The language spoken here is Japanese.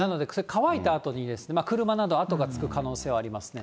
乾いたあとに車など跡がつく可能性があります。